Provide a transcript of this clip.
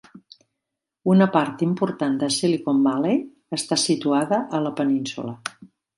Una part important de Silicon Valley està situada a la península.